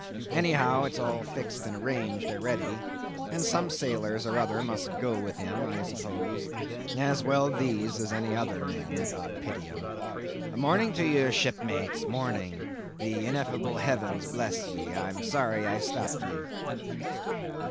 Anyhow, it's all fixed and arranged a'ready; and some sailors or other must go with him, I suppose; as well these as any other men, God pity 'em! Morning to ye, shipmates, morning; the ineffable heavens bless ye; I'm sorry I stopped ye."